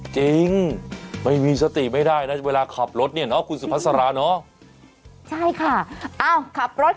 จริงไม่มีสติไม่ได้นะ